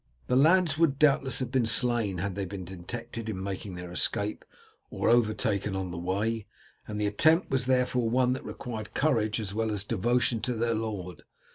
The lads would doubtless have been slain had they been detected in making their escape or overtaken on the way, and the attempt was therefore one that required courage as well as devotion to their lord.